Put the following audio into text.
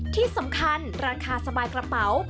ที่สำคัญราคาสบายกระเป๋า